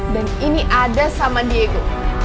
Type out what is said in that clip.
dan ini ada sama diego